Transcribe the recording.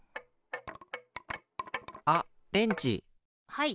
はい。